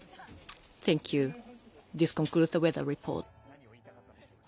何を言いたかったんでしょうか。